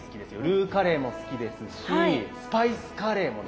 ルーカレーも好きですしスパイスカレーもね。